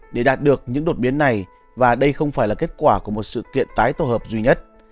để đạt được những đột biến này và đây không phải là kết quả của một sự kiện tái tổ hợp duy nhất